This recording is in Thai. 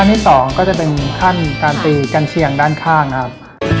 ที่สองก็จะเป็นขั้นการตีกันเชียงด้านข้างนะครับ